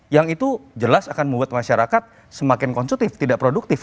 yang itu jelas akan membuat masyarakat semakin konsutif tidak produktif